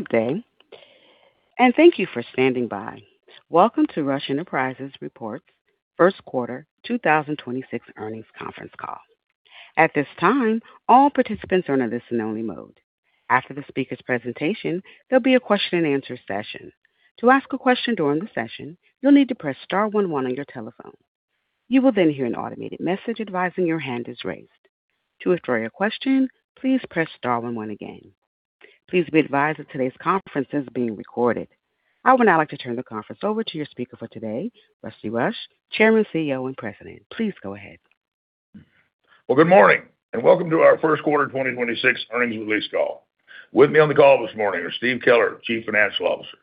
Good day, and thank you for standing by. Welcome to Rush Enterprises report first quarter 2026 earnings conference call. At this time, all participants are in a listen only mode. After the speaker's presentation, there'll be a question-and answer-session. To ask a question during the session, you'll need to press star one one on your telephone. You will then hear an automated message advising your hand is raised. To withdraw your question, please press star one one again. Please be advised that today's conference is being recorded. I would now like to turn the conference over to your speaker for today, Rusty Rush, Chairman, CEO, and President. Please go ahead. Well, good morning, and welcome to our first quarter 2026 earnings release call. With me on the call this morning are Steve Keller, Chief Financial Officer,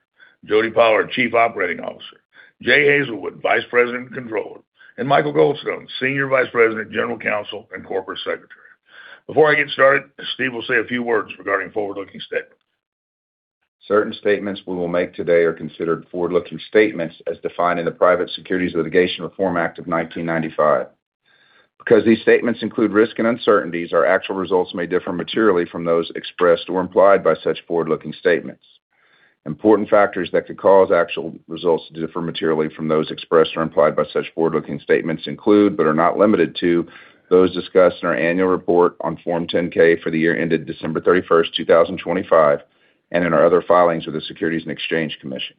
Jody Pollard, our Chief Operating Officer, Jay Hazelwood, Vice President and Controller, and Michael Goldstone, Senior Vice President, General Counsel, and Corporate Secretary. Before I get started, Steve will say a few words regarding forward-looking statements. Certain statements we will make today are considered forward-looking statements as defined in the Private Securities Litigation Reform Act of 1995. Because these statements include risk and uncertainties, our actual results may differ materially from those expressed or implied by such forward-looking statements. Important factors that could cause actual results to differ materially from those expressed or implied by such forward-looking statements include, but are not limited to those discussed in our annual report on Form 10-K for the year ended December 31st, 2025 and in our other filings with the Securities and Exchange Commission.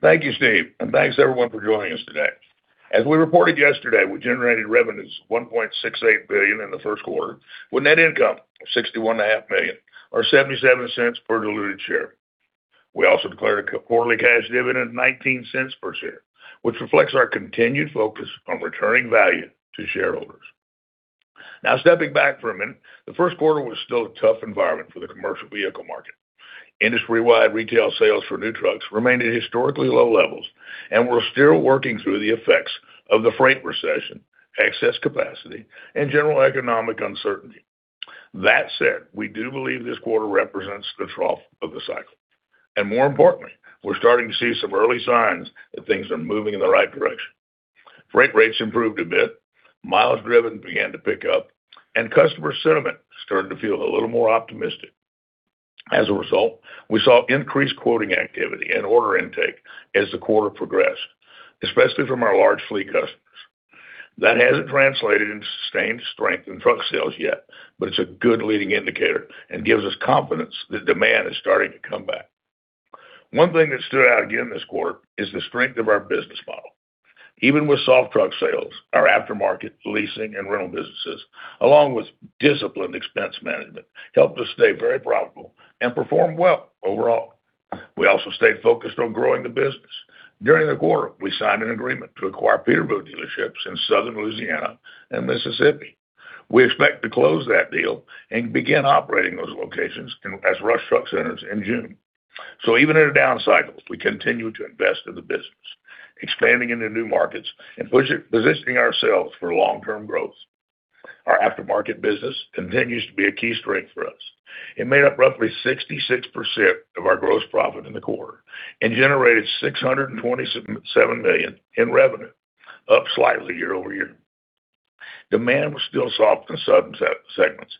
Thank you, Steve, and thanks everyone for joining us today. As we reported yesterday, we generated revenues $1.68 billion in the first quarter, with net income of $61.5 million or $0.77 per diluted share. We also declared a quarterly cash dividend of $0.19 per share, which reflects our continued focus on returning value to shareholders. Now, stepping back for a minute, the first quarter was still a tough environment for the commercial vehicle market. Industry-wide retail sales for new trucks remained at historically low levels, and we're still working through the effects of the freight recession, excess capacity, and general economic uncertainty. That said, we do believe this quarter represents the trough of the cycle. More importantly, we're starting to see some early signs that things are moving in the right direction. Freight rates improved a bit, miles driven began to pick up, and customer sentiment started to feel a little more optimistic. As a result, we saw increased quoting activity and order intake as the quarter progressed, especially from our large fleet customers. That hasn't translated into sustained strength in truck sales yet, but it's a good leading indicator and gives us confidence that demand is starting to come back. One thing that stood out again this quarter is the strength of our business model. Even with soft truck sales, our aftermarket leasing and rental businesses, along with disciplined expense management, helped us stay very profitable and perform well overall. We also stayed focused on growing the business. During the quarter, we signed an agreement to acquire Peterbilt dealerships in Southern Louisiana and Mississippi. We expect to close that deal and begin operating those locations as Rush Truck Centers in June. Even in a down cycle, we continue to invest in the business, expanding into new markets and positioning ourselves for long-term growth. Our aftermarket business continues to be a key strength for us. It made up roughly 66% of our gross profit in the quarter and generated $627 million in revenue, up slightly year-over-year. Demand was still soft in certain segments,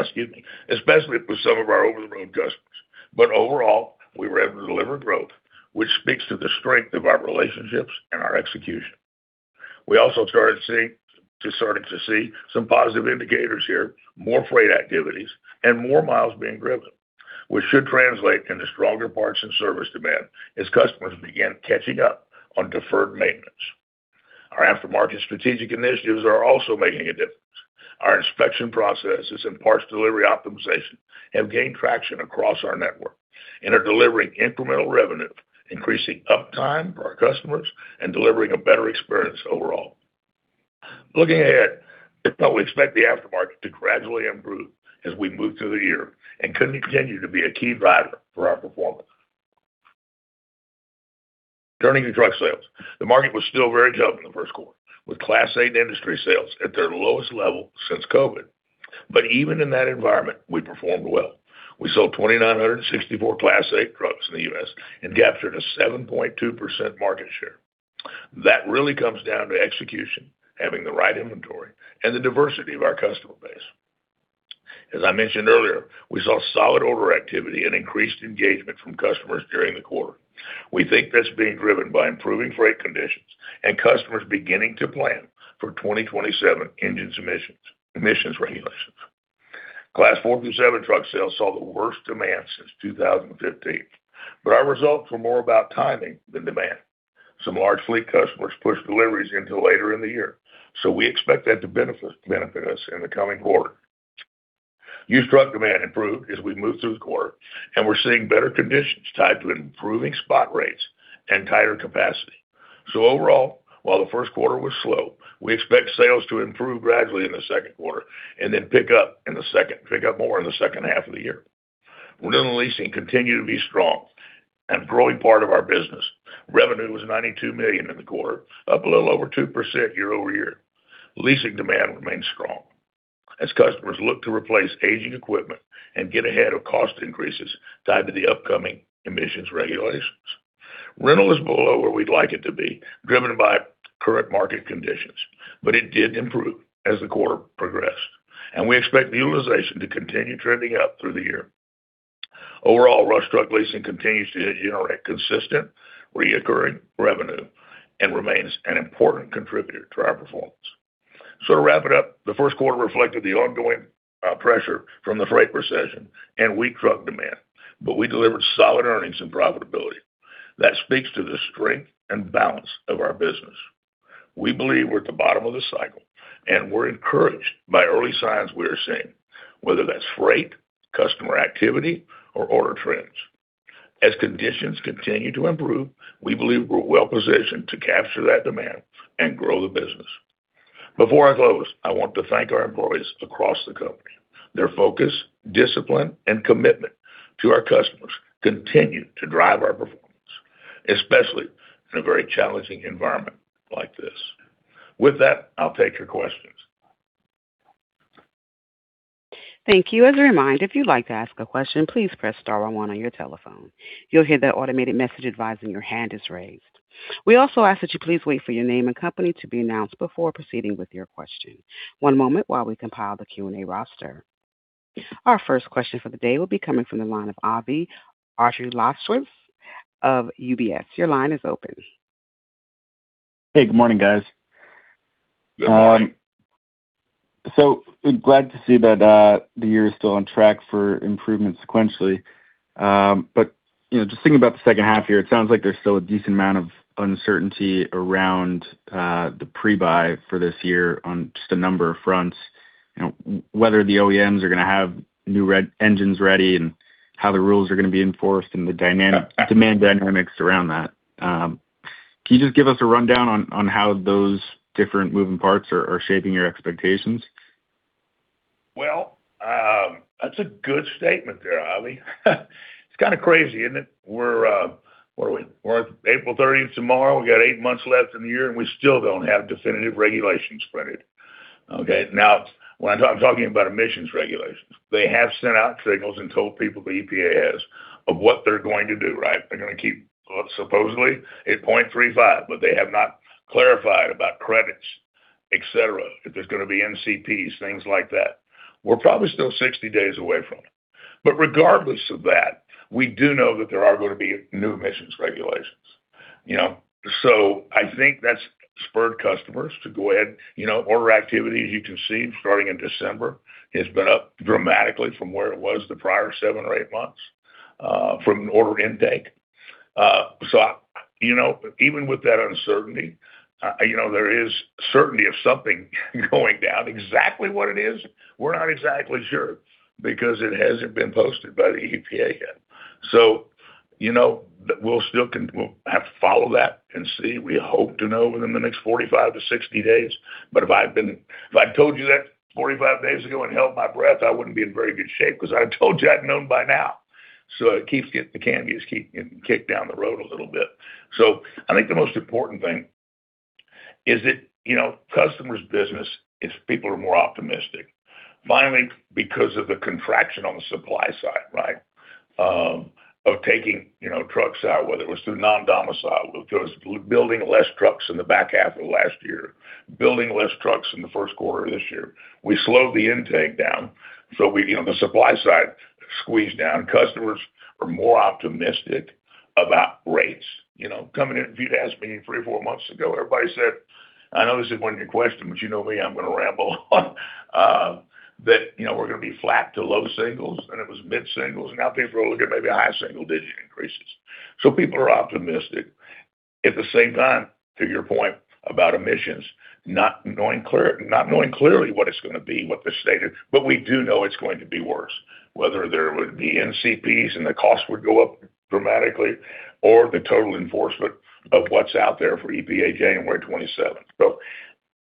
excuse me, especially with some of our over-the-road customers. Overall, we were able to deliver growth, which speaks to the strength of our relationships and our execution. We also start to see some positive indicators here, more freight activities and more miles being driven, which should translate into stronger parts and service demand as customers begin catching up on deferred maintenance. Our aftermarket strategic initiatives are also making a difference. Our inspection processes and parts delivery optimization have gained traction across our network and are delivering incremental revenue, increasing uptime for our customers and delivering a better experience overall. Looking ahead, we expect the aftermarket to gradually improve as we move through the year and continue to be a key driver for our performance. Turning to truck sales, the market was still very tough in the first quarter, with Class 8 industry sales at their lowest level since COVID. Even in that environment, we performed well. We sold 2,964 Class 8 trucks in the U.S. and captured a 7.2% market share. That really comes down to execution, having the right inventory and the diversity of our customer base. As I mentioned earlier, we saw solid order activity and increased engagement from customers during the quarter. We think that's being driven by improving freight conditions and customers beginning to plan for 2027 engines emissions regulations. Class 4 through 7 truck sales saw the worst demand since 2015, but our results were more about timing than demand. Some large fleet customers pushed deliveries into later in the year, so we expect that to benefit us in the coming quarter. Used truck demand improved as we moved through the quarter, and we're seeing better conditions tied to improving spot rates and tighter capacity. Overall, while the Q1 was slow, we expect sales to improve gradually in the Q2 and then pick up more in the second half of the year. Rental and leasing continue to be strong and a growing part of our business. Revenue was $92 million in the quarter, up a little over 2% year-over-year. Leasing demand remains strong as customers look to replace aging equipment and get ahead of cost increases tied to the upcoming emissions regulations. Rental is below where we'd like it to be, driven by current market conditions, but it did improve as the quarter progressed, and we expect utilization to continue trending up through the year. Overall, Rush Truck Leasing continues to generate consistent, reoccurring revenue and remains an important contributor to our performance. To wrap it up, the first quarter reflected the ongoing pressure from the freight recession and weak truck demand, but we delivered solid earnings and profitability. That speaks to the strength and balance of our business. We believe we're at the bottom of the cycle, and we're encouraged by early signs we are seeing, whether that's freight, customer activity or order trends. As conditions continue to improve, we believe we're well positioned to capture that demand and grow the business. Before I close, I want to thank our employees across the company. Their focus, discipline and commitment to our customers continue to drive our performance, especially in a very challenging environment like this. With that, I'll take your questions. Thank you. As a reminder, if you'd like to ask a question, please press star one one on your telephone. You'll hear the automated message advising your hand is raised. We also ask that you please wait for your name and company to be announced before proceeding with your question. One moment while we compile the Q&A roster. Our first question for the day will be coming from the line of Avi Jaroslawicz of UBS. Your line is open. Hey, good morning, guys. Good morning. Glad to see that the year is still on track for improvement sequentially. You know, just thinking about the second half here, it sounds like there's still a decent amount of uncertainty around the pre-buy for this year on just a number of fronts. You know, whether the OEMs are gonna have new engines ready and how the rules are gonna be enforced and the dynamic. Yeah. Demand dynamics around that. Can you just give us a rundown on how those different moving parts are shaping your expectations? That's a good statement there, Avi. It's kinda crazy, isn't it? We're, what are we? We're April 30th tomorrow, we got eight months left in the year, we still don't have definitive regulations printed. Okay. When I'm talking about emissions regulations, they have sent out signals and told people, the EPA has, of what they're going to do, right? They're gonna keep, supposedly, a 0.35, they have not clarified about credits, et cetera, if there's gonna be NCPs, things like that. We're probably still 60 days away from it. Regardless of that, we do know that there are gonna be new emissions regulations, you know? I think that's spurred customers to go ahead. You know, order activity, as you can see, starting in December, has been up dramatically from where it was the prior seven or eight months, from an order intake. You know, even with that uncertainty, you know, there is certainty of something going down. Exactly what it is, we're not exactly sure because it hasn't been posted by the EPA yet. You know, we'll still have to follow that and see. We hope to know within the next 45-60 days. If I told you that 45 days ago and held my breath, I wouldn't be in very good shape 'cause I told you I'd known by now. The can gets keep getting kicked down the road a little bit. I think the most important thing is that, you know, customers' business is people are more optimistic. Finally, because of the contraction on the supply side, right, of taking, you know, trucks out, whether it was through non-domiciled, whether it was building less trucks in the back half of last year, building less trucks in the first quarter of this year. We slowed the intake down, we, you know, the supply side squeezed down. Customers are more optimistic about rates, you know. Coming in, if you'd asked me three or four months ago, everybody said, I know this isn't one of your questions, but you know me, I'm gonna ramble on, that, you know, we're gonna be flat to low singles, then it was mid-singles, now people are looking at maybe high single-digit increases. People are optimistic. At the same time, to your point about emissions, not knowing clearly what it's gonna be, what the state is, but we do know it's going to be worse. Whether there would be NOx credits and the cost would go up dramatically or the total enforcement of what's out there for EPA 2027.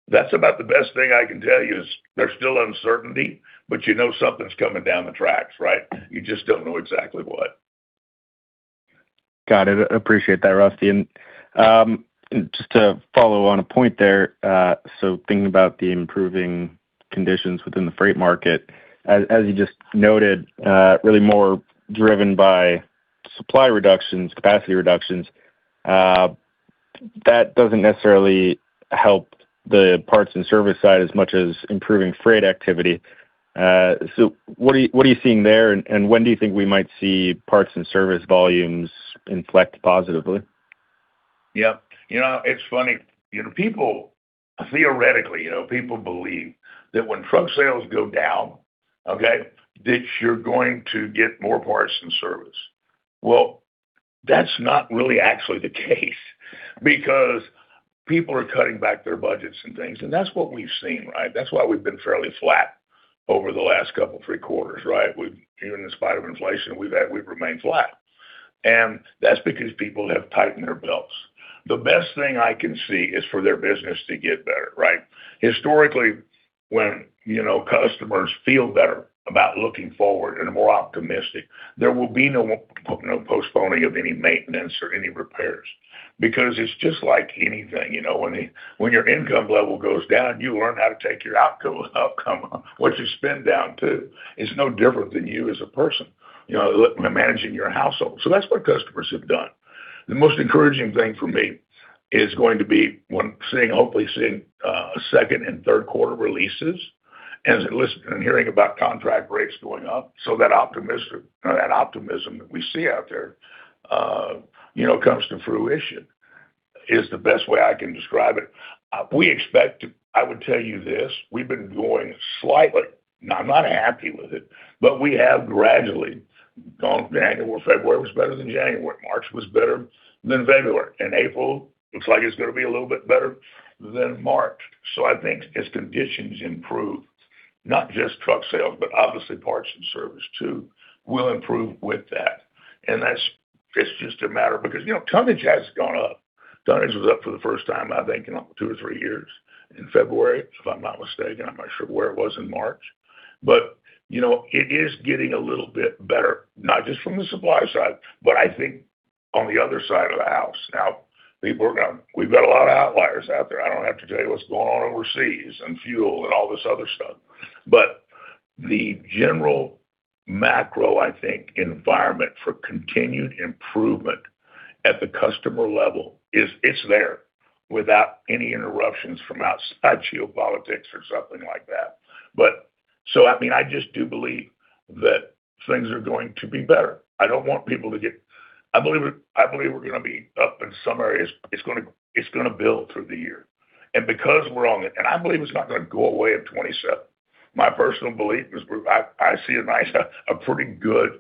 That's about the best thing I can tell you, is there's still uncertainty, but you know something's coming down the tracks, right? You just don't know exactly what. Got it. Appreciate that, Rusty. Just to follow on a point there, thinking about the improving conditions within the freight market, as you just noted, really more driven by supply reductions, capacity reductions, that doesn't necessarily help the parts and service side as much as improving freight activity. What are you seeing there, and when do you think we might see parts and service volumes inflect positively? Yeah. You know, it's funny. You know, people theoretically, you know, people believe that when truck sales go down, okay, that you're going to get more parts and service. Well, that's not really actually the case because people are cutting back their budgets and things, and that's what we've seen, right? That's why we've been fairly flat over the last couple, three quarters, right? Even in spite of inflation, we've remained flat. That's because people have tightened their belts. The best thing I can see is for their business to get better, right? Historically, when, you know, customers feel better about looking forward and are more optimistic, there will be no postponing of any maintenance or any repairs. It's just like anything, you know. When, when your income level goes down, you learn how to take your outcome, what you spend down too. It's no different than you as a person, you know, managing your household. That's what customers have done. The most encouraging thing for me is going to be when hopefully seeing second and third quarter releases and hearing about contract rates going up so that optimism that we see out there, you know, comes to fruition, is the best way I can describe it. We expect to. I would tell you this, we've been going slightly, and I'm not happy with it, but we have gradually gone January. February was better than January. March was better than February. April looks like it's gonna be a little bit better than March. I think as conditions improve, not just truck sales, but obviously parts and service too, will improve with that. It's just a matter because, you know, tonnage has gone up. Tonnage was up for the first time, I think, in two or three years in February, if I'm not mistaken. I'm not sure where it was in March. You know, it is getting a little bit better, not just from the supply side, but I think on the other side of the house. We've got a lot of outliers out there. I don't have to tell you what's going on overseas and fuel and all this other stuff. The general macro, I think, environment for continued improvement at the customer level is it's there without any interruptions from outside geopolitics or something like that. I mean, I just do believe that things are going to be better. I believe we're gonna be up in some areas. It's gonna build through the year. Because we're on it, and I believe it's not gonna go away in 2027. My personal belief is I see a nice, a pretty good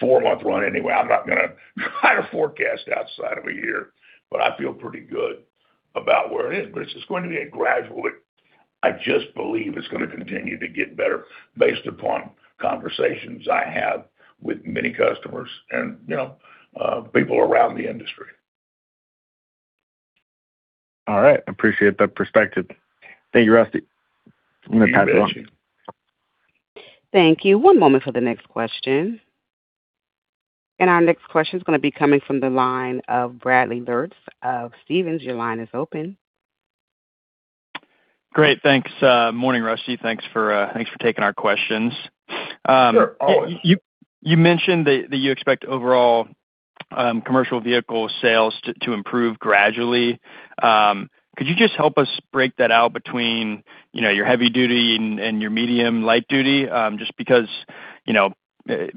four-month run anyway. I'm not gonna try to forecast outside of a year, but I feel pretty good about where it is. It's just going to be a gradual. I just believe it's gonna continue to get better based upon conversations I have with many customers and, you know, people around the industry. All right. Appreciate that perspective. Thank you, Rusty. You betcha. I'm gonna pass it on. Thank you. One moment for the next question. Our next question is going to be coming from the line of Brady Lierz of Stephens. Your line is open. Great. Thanks. Morning, Rusty. Thanks for taking our questions. Sure. Always. You mentioned that you expect overall commercial vehicle sales to improve gradually. Could you just help us break that out between, you know, your heavy-duty and your medium/light-duty? Just because, you know,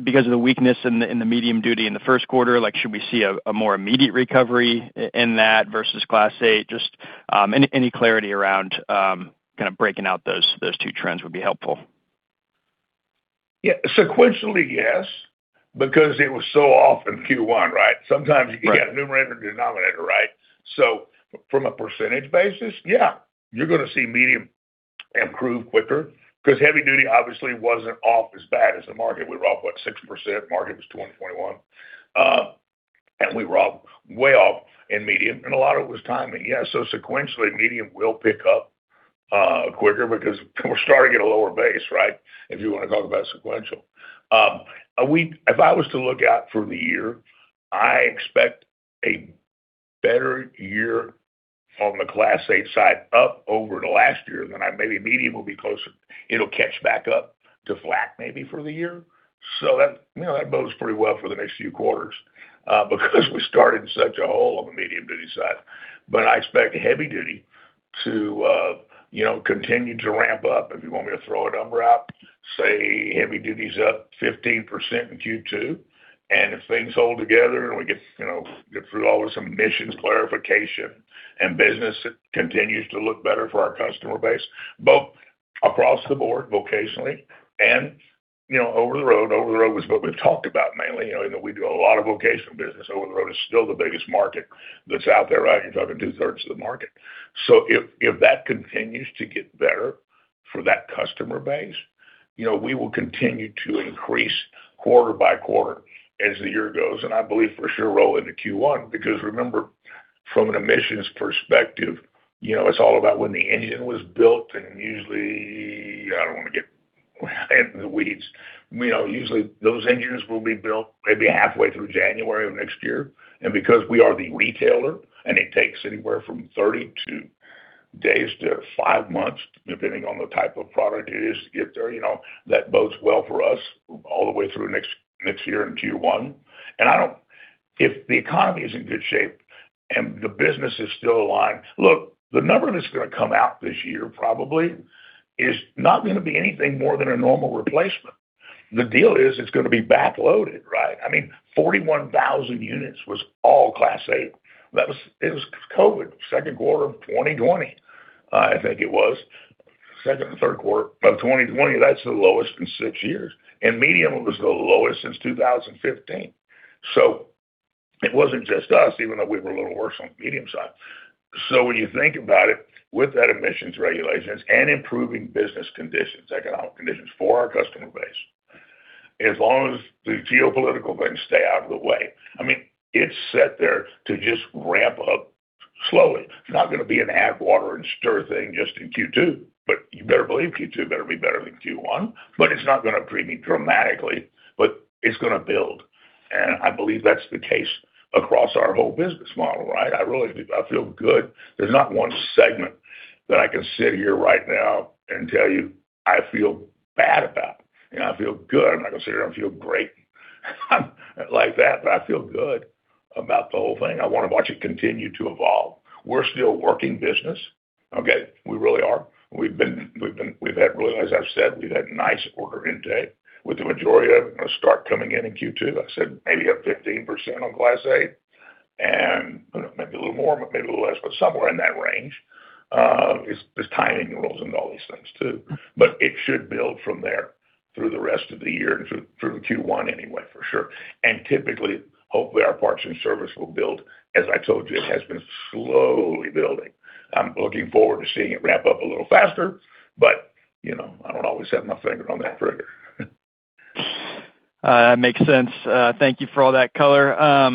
because of the weakness in the medium-duty in the first quarter, like should we see a more immediate recovery in that versus Class 8? Just any clarity around kind of breaking out those two trends would be helpful. Yeah. Sequentially, yes, because it was so off in Q1, right? Right. Sometimes you can get numerator or denominator, right? From a percentage basis, yeah, you're gonna see medium improve quicker because heavy-duty obviously wasn't off as bad as the market. We were off, what, 6%, market was 20%-21%. We were off way off in medium, and a lot of it was timing. Sequentially, medium will pick up quicker because we're starting at a lower base, right? If you wanna talk about sequential. If I was to look out for the year, I expect a better year on the Class 8 side up over the last year than maybe medium will be closer. It'll catch back up to flat maybe for the year. That, you know, that bodes pretty well for the next few quarters because we started such a hole on the medium-duty side. I expect heavy-duty to, you know, continue to ramp up. If you want me to throw a number out, say heavy-duty is up 15% in Q2. If things hold together and we get, you know, get through all this emissions clarification and business continues to look better for our customer base, both across the board vocationally and, you know, over-the-road. Over-the-road is what we've talked about mainly, you know, even though we do a lot of vocational business, over-the-road is still the biggest market that's out there, right? You're talking two-thirds of the market. If that continues to get better for that customer base, you know, we will continue to increase quarter by quarter as the year goes. I believe for sure roll into Q1, because remember, from an emissions perspective, you know, it's all about when the engine was built and usually, I don't wanna get in the weeds. You know, usually those engines will be built maybe halfway through January of next year. Because we are the retailer and it takes anywhere from 32 days to five months, depending on the type of product it is, if there, you know, that bodes well for us all the way through next year in Q1. If the economy is in good shape and the business is still aligned. Look, the number that's gonna come out this year probably is not gonna be anything more than a normal replacement. The deal is it's gonna be backloaded, right. I mean, 41,000 units was all Class 8. It was COVID, second quarter of 2020, I think it was. Second or third quarter of 2020, that's the lowest in six years. Medium was the lowest since 2015. It wasn't just us, even though we were a little worse on medium side. When you think about it, with that emissions regulations and improving business conditions, economic conditions for our customer base, as long as the geopolitical things stay out of the way, I mean, it's set there to just ramp up slowly. It's not gonna be an add water and stir thing just in Q2, but you better believe Q2 better be better than Q1. It's not gonna improve dramatically, but it's gonna build. I believe that's the case across our whole business model, right? I really do. I feel good. There's not one segment that I can sit here right now and tell you I feel bad about. You know, I feel good. I'm not gonna sit here and feel great like that, but I feel good about the whole thing. I wanna watch it continue to evolve. We're still working business, okay? We really are. We've had really, as I've said, we've had nice order intake, with the majority of it gonna start coming in in Q2. I said maybe up 15% on Class 8 and, you know, maybe a little more, maybe a little less, but somewhere in that range. As timing rolls into all these things too. It should build from there through the rest of the year and through Q1 anyway, for sure. Typically, hopefully, our parts and service will build. As I told you, it has been slowly building. I'm looking forward to seeing it ramp up a little faster, but, you know, I don't always have my finger on that trigger. Makes sense. Thank you for all that color.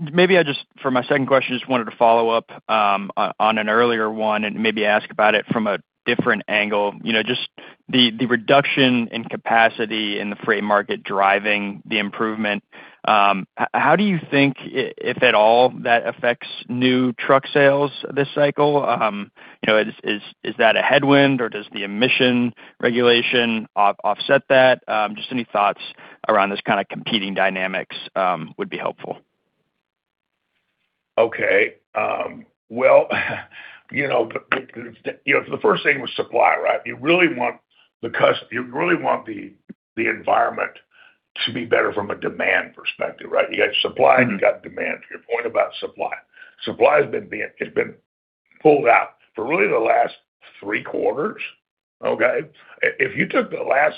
Maybe I just, for my second question, just wanted to follow up on an earlier one and maybe ask about it from a different angle. You know, just the reduction in capacity in the freight market driving the improvement, how do you think, if at all, that affects new truck sales this cycle? You know, is that a headwind or does the emission regulation offset that? Just any thoughts around this kind of competing dynamics would be helpful. Okay. Well, you know, the, you know, the first thing was supply, right? You really want the environment to be better from a demand perspective, right? You got supply— Mm-hmm. You got demand. To your point about supply. Supply has it's been pulled out for really the last three quarters, okay? If you took the last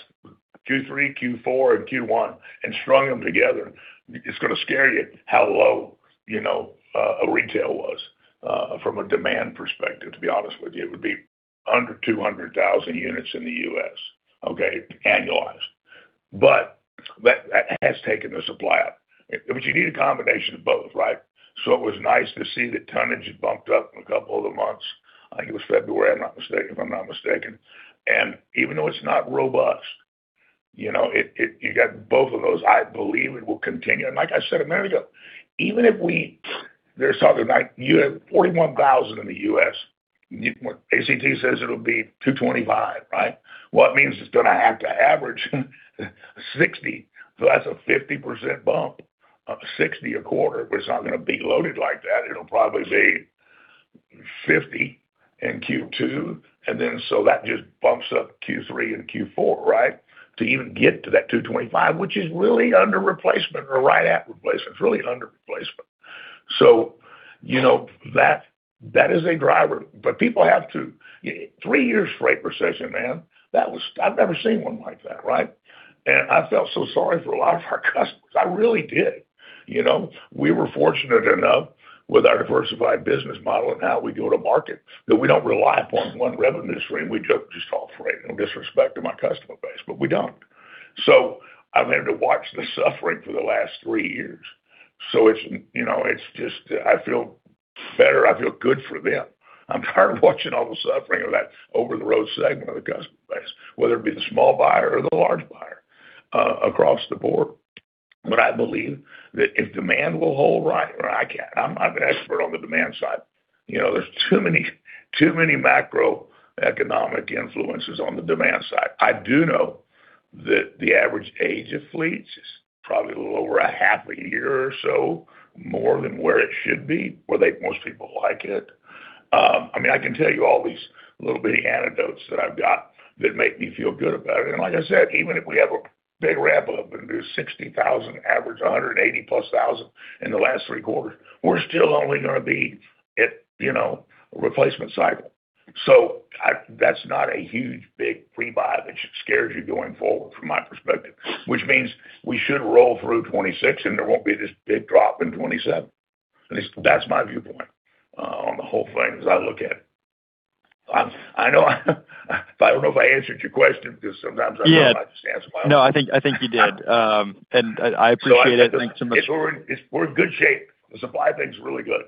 Q3, Q4, and Q1 and strung them together, it's gonna scare you how low, you know, retail was from a demand perspective, to be honest with you. It would be under 200,000 units in the U.S., okay? Annualized. That has taken the supply up. You need a combination of both, right? It was nice to see that tonnage had bumped up in a couple other months. I think it was February, I'm not mistaken. Even though it's not robust, you know, you got both of those. I believe it will continue. Like I said a minute ago, even if we—there's something like you have $41,000 in the U.S. ACT says it'll be 225, right? That means it's gonna have to average 60. That's a 50% bump of 60 a quarter, it's not gonna be loaded like that. It'll probably be 50 in Q2. That just bumps up Q3 and Q4, right? To even get to that 225, which is really under replacement or right at replacement. It's really under replacement. You know, that is a driver. Three years freight recession, man. I've never seen one like that, right? I felt so sorry for a lot of our customers. I really did. You know, we were fortunate enough with our diversified business model and how we go to market, that we don't rely upon one revenue stream. We just haul freight. No disrespect to my customer base, but we don't. I've had to watch the suffering for the last three years. It's, you know, it's just. I feel better. I feel good for them. I'm tired of watching all the suffering of that over-the-road segment of the customer base, whether it be the small buyer or the large buyer, across the board. I believe that if demand will hold right, or I can't, I'm not an expert on the demand side. You know, there's too many macroeconomic influences on the demand side. I do know that the average age of fleets is probably a little over a half a year or so more than where it should be, where most people like it. I mean, I can tell you all these little bitty anecdotes that I've got that make me feel good about it. Like I said, even if we have a big ramp-up and do 60,000 average, 180,000+ in the last three quarters, we're still only gonna be at, you know, replacement cycle. That's not a huge, big pre-buy that should scare you going forward, from my perspective. Which means we should roll through 2026, and there won't be this big drop in 2027. At least that's my viewpoint on the whole thing as I look at it. I know I don't know if I answered your question because sometimes— Yeah. I know I might just answer my own question. No, I think, I think you did. I appreciate it. Thanks so much. We're in good shape. The supply thing's really good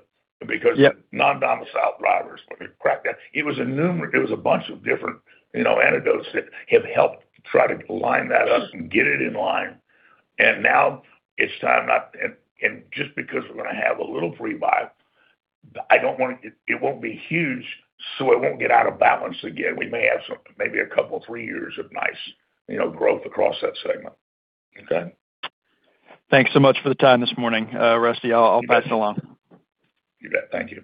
because— Yep. The non-domiciled drivers, when we cracked down, it was a bunch of different, you know, antidotes that have helped try to line that up and get it in line. Just because we're gonna have a little pre-buy, it won't be huge, so it won't get out of balance again. We may have some, maybe a couple, three years of nice, you know, growth across that segment. Okay? Thanks so much for the time this morning, Rusty. I'll pass it along. You bet. Thank you.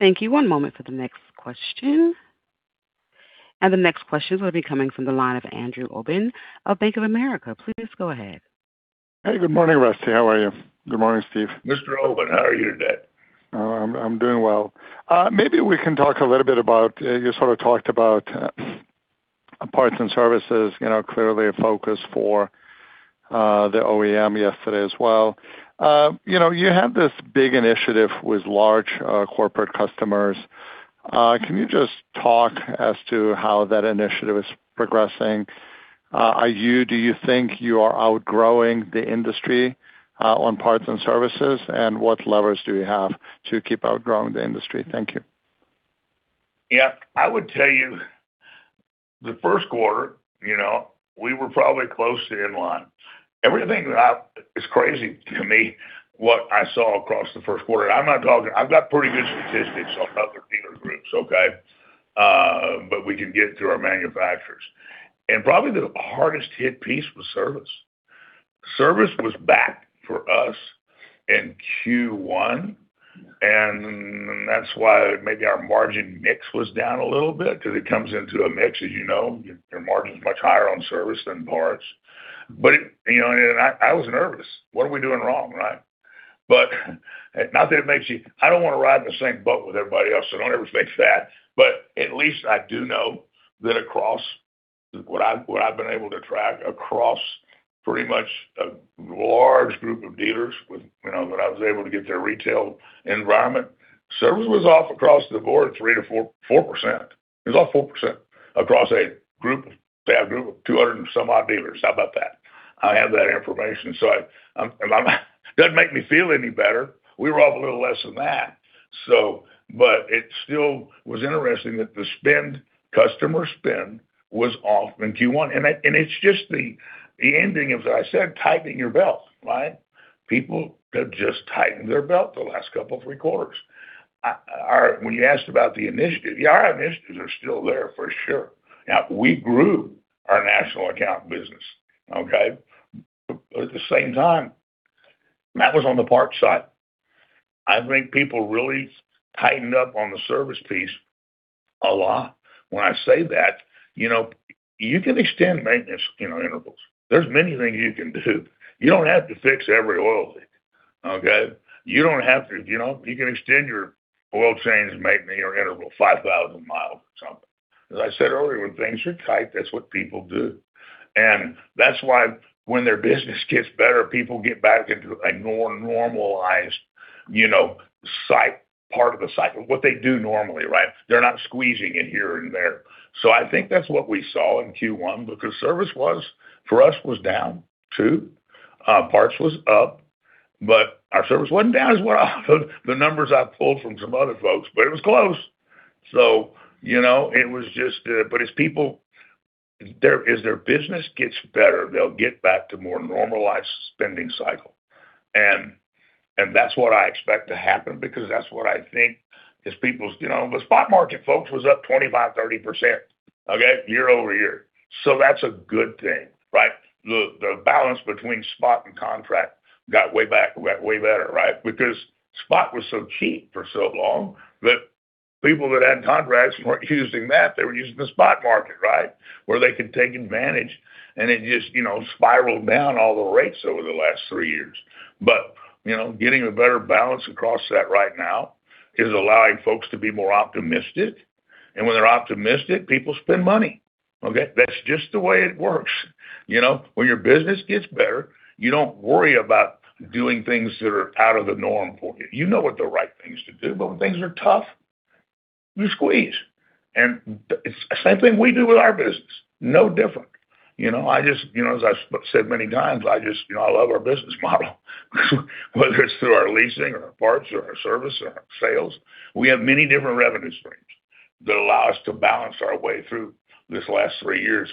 Thank you. One moment for the next question. The next question is gonna be coming from the line of Andrew Obin of Bank of America. Please go ahead. Hey, good morning, Rusty. How are you? Good morning, Steve. Mr. Obin, how are you today? I'm doing well. Maybe we can talk a little bit about, you sort of talked about, parts and services, you know, clearly a focus for the OEM yesterday as well. You know, you have this big initiative with large corporate customers. Can you just talk as to how that initiative is progressing? Do you think you are outgrowing the industry on parts and services? What levers do you have to keep outgrowing the industry? Thank you. Yeah. I would tell you the first quarter, you know, we were probably close to in line. It's crazy to me what I saw across the first quarter. I'm not talking. I've got pretty good statistics on other dealer groups, okay? We can get through our manufacturers. Probably the hardest hit piece was service. Service was back for us in Q1, that's why maybe our margin mix was down a little bit because it comes into a mix. As you know, your margin's much higher on service than parts. You know, I was nervous. What are we doing wrong, right? Not that. I don't want to ride in the same boat with everybody else, so don't ever expect that. At least I do know that across what I, what I've been able to track across pretty much a large group of dealers with, you know, that I was able to get their retail environment, service was off across the board 3%-4%. It was off 4% across a group of 200 and some odd dealers. How about that? I have that information. Doesn't make me feel any better. We were off a little less than that. It still was interesting that customer spend was off in Q1. It's just the ending, as I said, tightening your belt, right? People have just tightened their belt the last couple three quarters. When you asked about the initiative, yeah, our initiatives are still there for sure. We grew our national account business, okay? At the same time, that was on the parts side. I think people really tightened up on the service piece a lot. When I say that, you know, you can extend maintenance, you know, intervals. There's many things you can do. You don't have to fix every oil leak, okay? You don't have to, you know, you can extend your oil change maintenance, your interval 5,000 mi or something. As I said earlier, when things are tight, that's what people do. That's why when their business gets better, people get back into a more normalized, you know, cycle, part of the cycle, what they do normally, right? They're not squeezing it here and there. I think that's what we saw in Q1, because service was, for us, was down too. Parts was up, but our service wasn't down as the numbers I pulled from some other folks, but it was close. You know, it was just. As people, as their business gets better, they'll get back to more normalized spending cycle. And that's what I expect to happen because that's what I think is people's, you know. The spot market, folks, was up 25%, 30%, okay, year-over-year. That's a good thing, right? The balance between spot and contract got way back, way better, right? Spot was so cheap for so long that people that had contracts weren't using that. They were using the spot market, right? Where they could take advantage, and it just, you know, spiraled down all the rates over the last three years. You know, getting a better balance across that right now is allowing folks to be more optimistic. When they're optimistic, people spend money, okay. That's just the way it works. You know, when your business gets better, you don't worry about doing things that are out of the norm for you. You know what the right thing is to do. When things are tough, you squeeze. The same thing we do with our business, no different. You know, I just, you know, as I said many times, I just, you know, I love our business model, whether it's through our leasing or our parts or our service or our sales. We have many different revenue streams that allow us to balance our way through this last three years.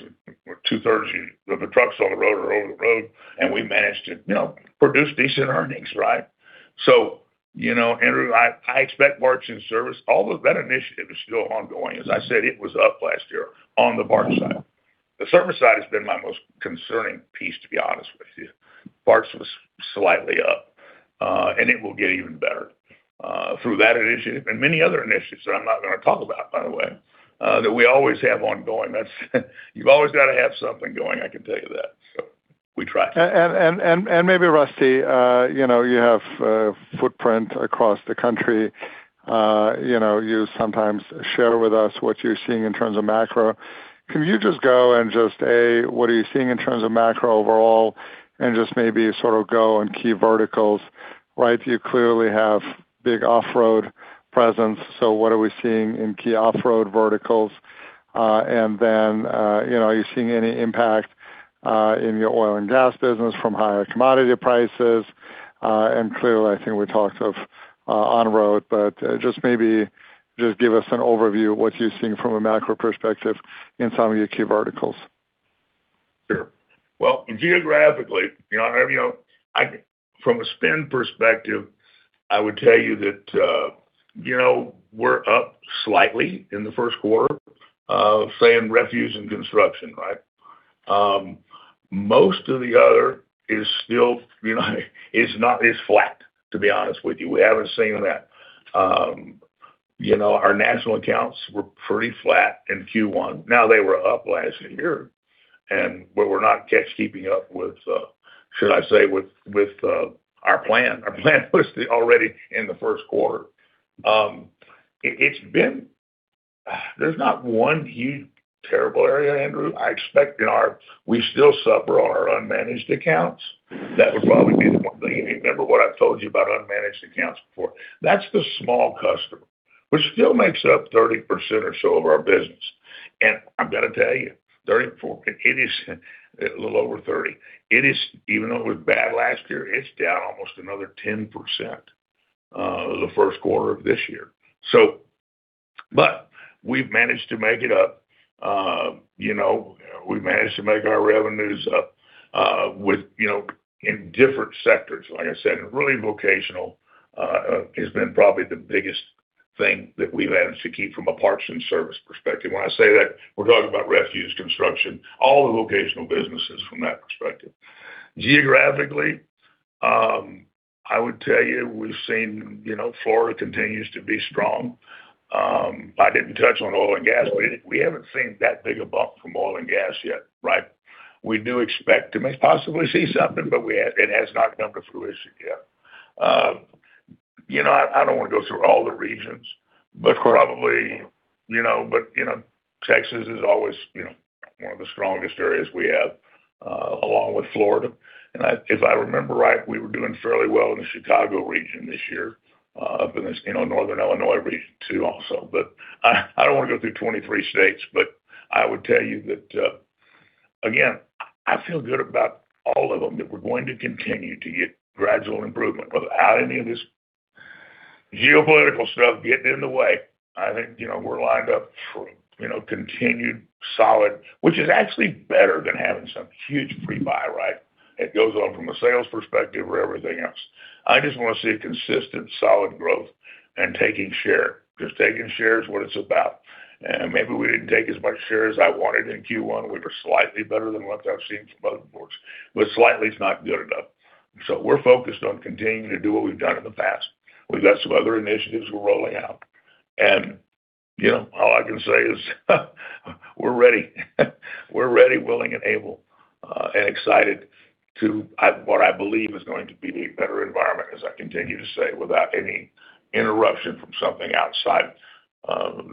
Two-thirds of the trucks on the road are over the road, we managed to, you know, produce decent earnings, right? You know, Andrew, I expect parts and service, all of that initiative is still ongoing. As I said, it was up last year on the parts side. The service side has been my most concerning piece, to be honest with you. Parts was slightly up, it will get even better through that initiative and many other initiatives that I'm not gonna talk about, by the way, that we always have ongoing. You've always got to have something going, I can tell you that. We try. Maybe, Rusty, you know, you have a footprint across the country. You know, you sometimes share with us what you're seeing in terms of macro. Can you just go, A, what are you seeing in terms of macro overall? Just maybe sort of go on key verticals, right? You clearly have big off-road presence. What are we seeing in key off-road verticals? You know, are you seeing any impact in your oil and gas business from higher commodity prices? I think we talked of on road, just maybe give us an overview of what you're seeing from a macro perspective in some of your key verticals. Sure. Well, geographically, from a spend perspective, I would tell you that we're up slightly in the first quarter, say, in refuse and construction, right? Most of the other is still not as flat, to be honest with you. We haven't seen that. Our national accounts were pretty flat in Q1. They were up last year and we're not keeping up with our plan. Our plan was already in the first quarter. There's not one huge terrible area, Andrew. We still suffer on our unmanaged accounts. That would probably be the one thing. You remember what I've told you about unmanaged accounts before. That's the small customer, which still makes up 30% or so of our business. I've got to tell you, 34%, it is a little over 30%. It is, even though it was bad last year, it's down almost another 10%, the Q1 of this year. But we've managed to make it up. You know, we managed to make our revenues up, with, you know, in different sectors. Like I said, really vocational has been probably the biggest thing that we've managed to keep from a parts and service perspective. When I say that, we're talking about refuse, construction, all the vocational businesses from that perspective. Geographically, I would tell you we've seen, you know, Florida continues to be strong. I didn't touch on oil and gas. We haven't seen that big a bump from oil and gas yet, right? We do expect to possibly see something, but it has not come to fruition yet. You know, I don't want to go through all the regions, but probably, you know, Texas is always, you know, one of the strongest areas we have along with Florida. If I remember right, we were doing fairly well in the Chicago region this year, up in this, you know, Northern Illinois region too also. I don't want to go through 23 states, but I would tell you that, again, I feel good about all of them, that we're going to continue to get gradual improvement without any of this geopolitical stuff getting in the way. I think, you know, we're lined up for, you know, continued solid, which is actually better than having some huge pre-buy, right? It goes on from a sales perspective or everything else. I just want to see consistent, solid growth and taking share. Taking share is what it's about. Maybe we didn't take as much share as I wanted in Q1. We were slightly better than what I've seen from other boards, but slightly is not good enough. We're focused on continuing to do what we've done in the past. We've got some other initiatives we're rolling out. You know, all I can say is we're ready. We're ready, willing, and able and excited to what I believe is going to be the better environment, as I continue to say, without any interruption from something outside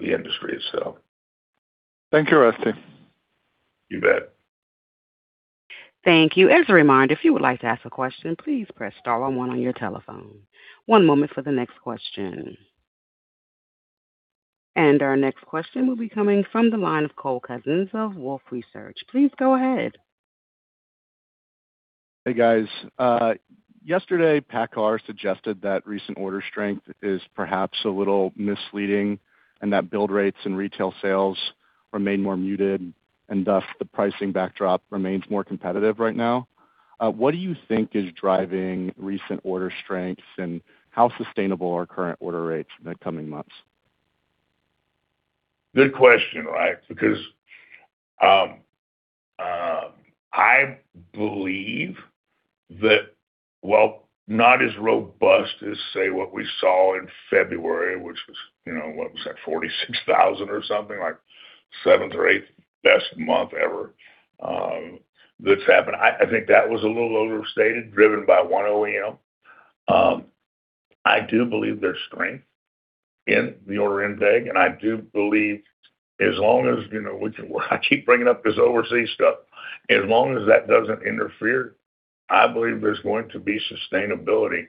the industry itself. Thank you, Rusty. You bet. Thank you. As a reminder, if you would like to ask a question, please press star one one on your telephone. One moment for the next question. Our next question will be coming from the line of Cole Couzens of Wolfe Research. Please go ahead. Hey, guys. Yesterday, PACCAR suggested that recent order strength is perhaps a little misleading and that build rates and retail sales remain more muted and thus the pricing backdrop remains more competitive right now. What do you think is driving recent order strengths and how sustainable are current order rates in the coming months? Good question, right? Because I believe that while not as robust as, say, what we saw in February, which was, you know, what was that, 46,000 or something, like seventh or eighth best month ever, that's happened. I think that was a little overstated, driven by one OEM. I do believe there's strength in the order intake, and I do believe as long as, you know, I keep bringing up this overseas stuff. As long as that doesn't interfere, I believe there's going to be sustainability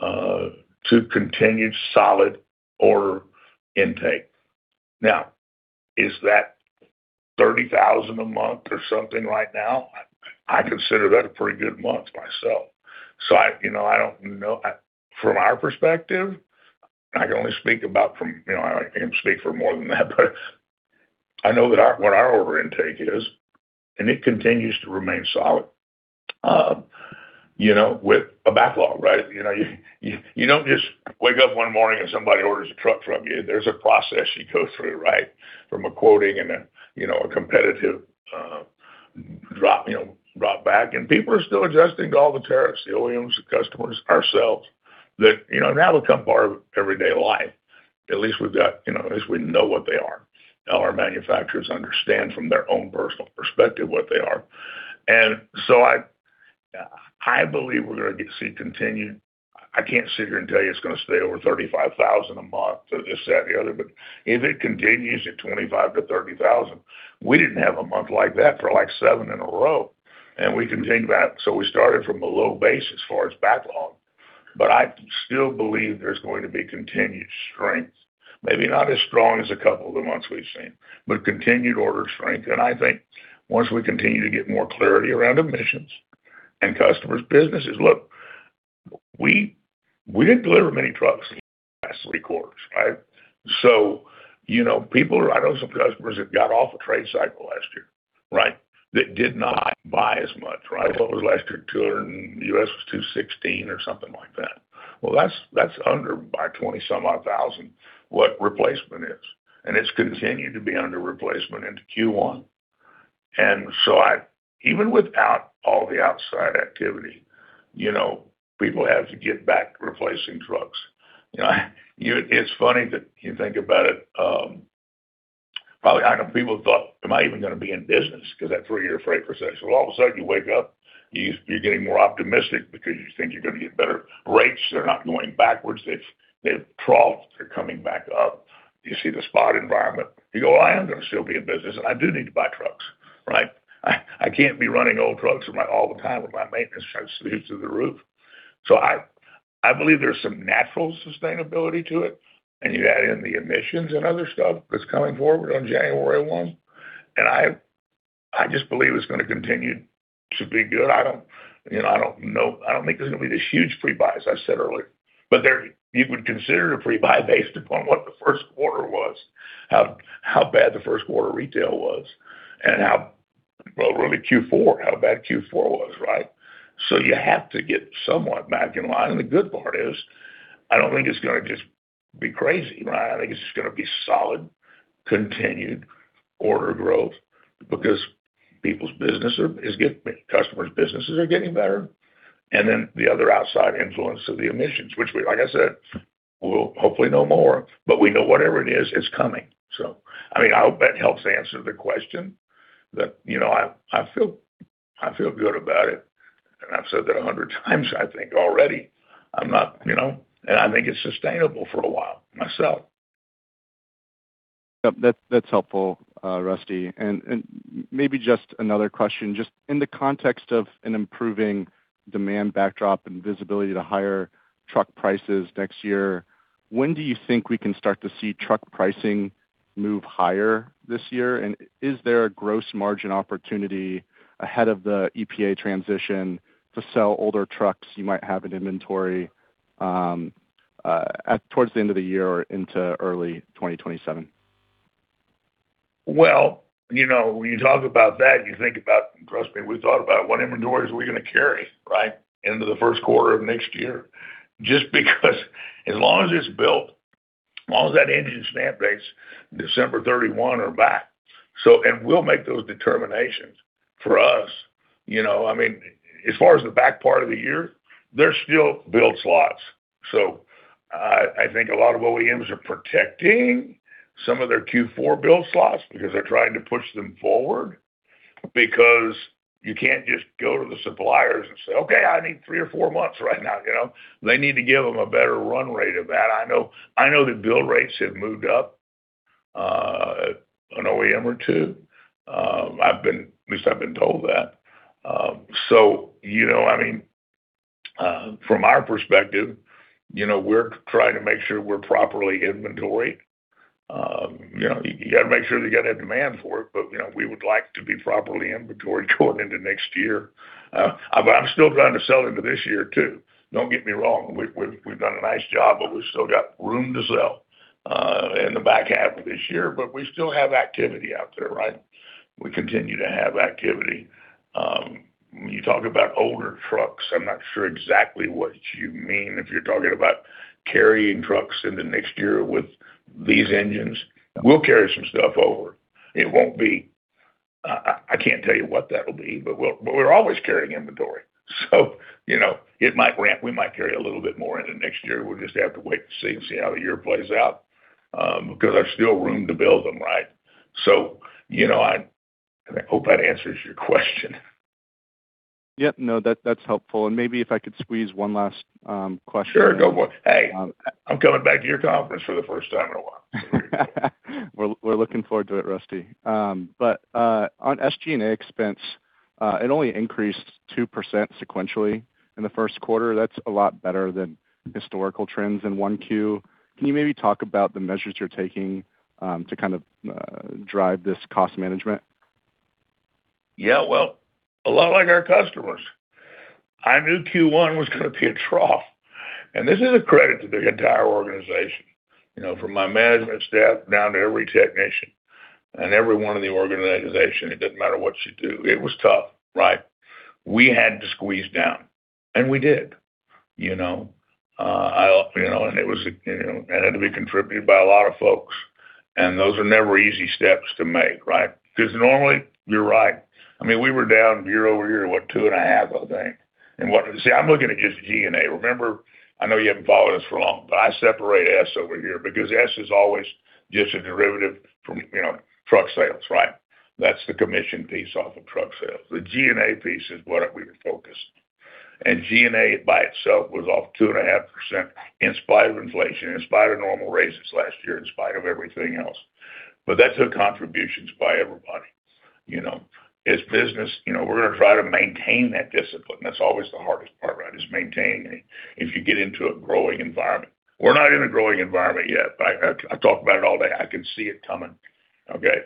to continued solid order intake. Now, is that 30,000 a month or something right now? I consider that a pretty good month myself. You know, I don't know. From our perspective, and I can only speak about from, you know, I can't speak for more than that, but I know that our, what our order intake is, and it continues to remain solid, you know, with a backlog, right? You know, you don't just wake up one morning and somebody orders a truck from you. There's a process you go through, right? From a quoting and a, you know, a competitive dropback. People are still adjusting to all the tariffs, the OEMs, the customers, ourselves, that, you know, now become part of everyday life. At least we've got, you know, at least we know what they are. Our manufacturers understand from their own personal perspective what they are. I believe we're gonna get to see continued. I can't sit here and tell you it's gonna stay over 35,000 a month, this, that, and the other. If it continues at 25,000-30,000, we didn't have a month like that for, like, seven in a row. We can think back. We started from a low base as far as backlog. I still believe there's going to be continued strength. Maybe not as strong as a couple of the months we've seen, but continued order strength. I think once we continue to get more clarity around emissions and customers' businesses. Look, we didn't deliver many trucks the last three quarters, right? You know, people, I know some customers have got off a trade cycle last year, right? That did not buy as much, right? What was it last year? Two hundred and—U.S. was 216,000 or something like that. That's under by 20 some odd thousand what replacement is, and it's continued to be under replacement into Q1. Even without all the outside activity, you know, people have to get back replacing trucks. You know, it's funny to think about it. Probably, I know people thought, am I even gonna be in business? Because that three-year freight recession. All of a sudden you wake up, you're getting more optimistic because you think you're gonna get better rates. They're not going backwards. They've troughed. They're coming back up. You see the spot environment. You go, "Well, I am gonna still be in business, and I do need to buy trucks." Right? I can't be running old trucks all the time with my maintenance charts through to the roof. I believe there's some natural sustainability to it, and you add in the emissions and other stuff that's coming forward on January 1, and I just believe it's gonna continue to be good. I don't, you know, I don't know. I don't think there's gonna be this huge pre-buy, as I said earlier. You would consider it a pre-buy based upon what the first quarter was, how bad the first quarter retail was and how, well, really Q4, how bad Q4 was, right? You have to get somewhat back in line. The good part is, I don't think it's gonna just be crazy, right? I think it's just gonna be solid, continued order growth because customers' businesses are getting better, the other outside influence of the emissions, which we, like I said, we'll hopefully know more. We know whatever it is, it's coming. I mean, I hope that helps answer the question. You know, I feel good about it, and I've said that 100 times, I think, already. I'm not, you know. I think it's sustainable for a while myself. Yep. That's, that's helpful, Rusty. Maybe just another question, just in the context of an improving demand backdrop and visibility to higher truck prices next year, when do you think we can start to see truck pricing move higher this year? Is there a gross margin opportunity ahead of the EPA transition to sell older trucks you might have in inventory, at, towards the end of the year or into early 2027? Well, you know, when you talk about that, you think about, and trust me, we thought about what inventory is we gonna carry, right, into the first quarter of next year. Just because as long as it's built, as long as that engine stamp dates December 31 or back. We'll make those determinations. For us, you know, I mean, as far as the back part of the year, there's still build slots. I think a lot of OEMs are protecting some of their Q4 build slots because they're trying to push them forward because you can't just go to the suppliers and say, "Okay, I need three or four months right now," you know? They need to give them a better run rate of that. I know that build rates have moved up at an OEM or two. I've been, at least I've been told that. You know, I mean, from our perspective, you know, we're trying to make sure we're properly inventoried. You know, you gotta make sure you got a demand for it, you know, we would like to be properly inventoried going into next year. I'm still trying to sell into this year, too. Don't get me wrong. We've done a nice job, but we've still got room to sell in the back half of this year. We still have activity out there, right? We continue to have activity. When you talk about older trucks, I'm not sure exactly what you mean. If you're talking about carrying trucks into next year with these engines, we'll carry some stuff over. I can't tell you what that'll be, but we're always carrying inventory. You know, it might ramp. We might carry a little bit more into next year. We'll just have to wait to see how the year plays out, because there's still room to build them, right? You know, I, and I hope that answers your question. Yep. No. That's helpful. Maybe if I could squeeze one last question in. Sure. No problem. Hey, I'm coming back to your conference for the first time in a while. We're looking forward to it, Rusty. On SG&A expense, it only increased 2% sequentially in the first quarter. That's a lot better than historical trends in 1Q. Can you maybe talk about the measures you're taking to kind of drive this cost management? Yeah. Well, a lot like our customers, I knew Q1 was gonna be a trough. This is a credit to the entire organization, you know, from my management staff down to every technician and everyone in the organization. It doesn't matter what you do. It was tough, right? We had to squeeze down, and we did. You know, I, you know, and it was, you know, and it had to be contributed by a lot of folks. Those are never easy steps to make, right? Because normally, you're right. I mean, we were down year-over-year, what, two and a half, I think. See, I'm looking at just G&A. Remember, I know you haven't followed us for long, but I separate S over here because S is always just a derivative from, you know, truck sales, right? That's the commission piece off of truck sales. The G&A piece is what we were focused. G&A by itself was off 2.5% in spite of inflation, in spite of normal raises last year, in spite of everything else. That took contributions by everybody. You know, as a business, you know, we're gonna try to maintain that discipline. That's always the hardest part, right, is maintaining it if you get into a growing environment. We're not in a growing environment yet, but I talk about it all day. I can see it coming. Okay.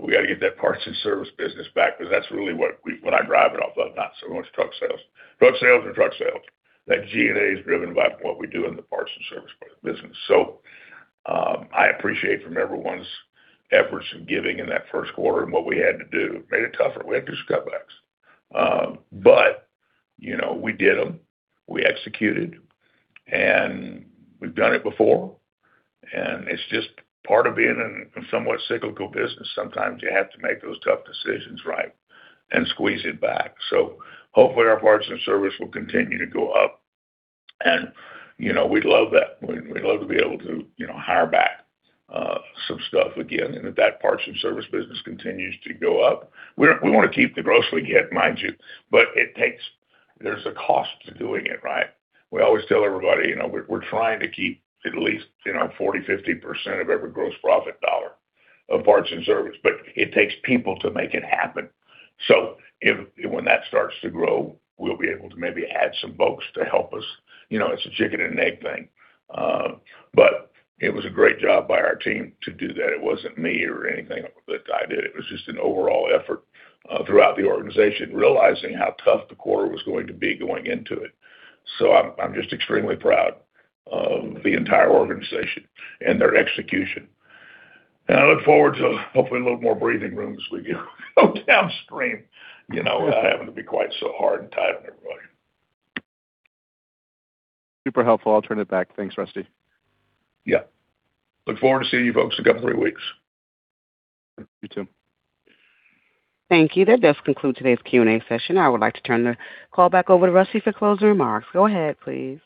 We got to get that parts and service business back because that's really what I drive it off of, not so much truck sales. Truck sales are truck sales. That G&A is driven by what we do in the parts and service business. I appreciate from everyone's efforts and giving in that first quarter and what we had to do. Made it tougher. We had to do cutbacks. You know, we did them. We executed, and we've done it before. It's just part of being in a somewhat cyclical business. Sometimes you have to make those tough decisions, right, and squeeze it back. Hopefully, our parts and service will continue to go up. You know, we'd love that. We'd love to be able to, you know, hire back some stuff again, and that parts and service business continues to go up. We want to keep the gross we get, mind you, but it takes. There's a cost to doing it, right? We always tell everybody, you know, we're trying to keep at least, you know, 40%, 50% of every gross profit dollar of parts and service, but it takes people to make it happen. When that starts to grow, we'll be able to maybe add some folks to help us. You know, it's a chicken and egg thing. It was a great job by our team to do that. It wasn't me or anything that I did. It was just an overall effort throughout the organization, realizing how tough the quarter was going to be going into it. I'm just extremely proud of the entire organization and their execution. I look forward to hopefully a little more breathing room as we go downstream, you know, having to be quite so hard and tight on everybody. Super helpful. I'll turn it back. Thanks, Rusty. Yeah. Look forward to seeing you folks in a couple of weeks. You too. Thank you. That does conclude today's Q&A session. I would like to turn the call back over to Rusty for closing remarks. Go ahead, please.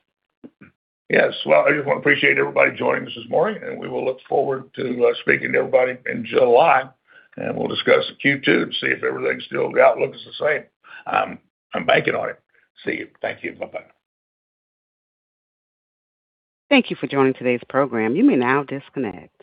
Yes. Well, I just want to appreciate everybody joining this morning, and we will look forward to speaking to everybody in July, and we'll discuss the Q2 to see if everything's still, the outlook is the same. I'm banking on it. See you. Thank you. Bye-bye. Thank you for joining today's program. You may now disconnect.